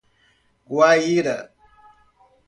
Guaíra